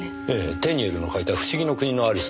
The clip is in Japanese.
テニエルの描いた『不思議の国のアリス』の挿絵。